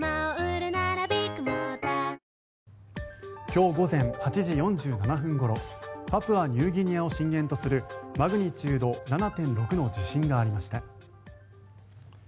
今日午前８時４７分ごろパプアニューギニアを震源とするマグニチュード７．６の地震がありました。